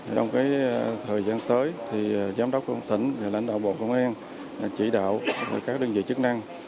trong thời gian tới giám đốc công an tỉnh và lãnh đạo bộ công an chỉ đạo các đơn vị chức năng